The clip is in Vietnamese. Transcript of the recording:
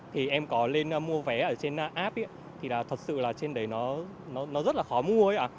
thì em có lên mua vé ở trên app thì là thật sự là trên đấy nó rất là khó mua ấy ạ